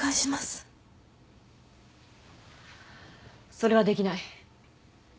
それはできない。